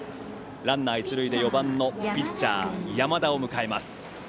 ランナー、一塁で４番のピッチャー山田を迎えます。